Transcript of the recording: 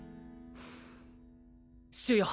主よ